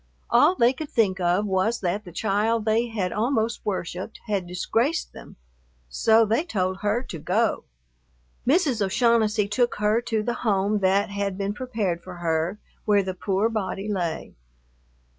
All they could think of was that the child they had almost worshiped had disgraced them; so they told her to go. Mrs. O'Shaughnessy took her to the home that had been prepared for her, where the poor body lay.